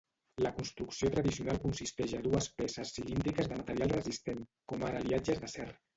La construcció tradicional consisteix a dues peces cilíndriques de material resistent, com ara aliatges d'acer.